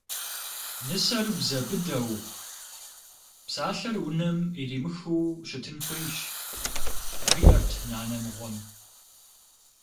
Нысэр бзэ быдэу, псалъэр унэм иримыхыу щытын хуейщ, – жиӀэрт нанэ мыгъуэм.